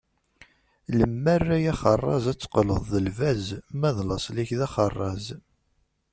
Lemmer ay axerraz ad teqleḍ d lbaz, ma d laṣel-ik d axerraz.